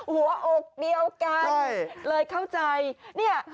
หัวอกเดียวกันเลยเข้าใจ